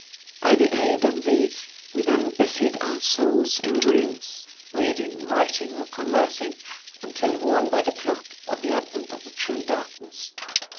By the aid of these we then busied our souls in dreams—reading, writing, or conversing, until warned by the clock of the advent of the true Darkness.